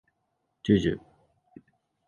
じゅじゅ